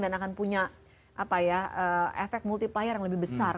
dan akan punya efek multiplier yang lebih besar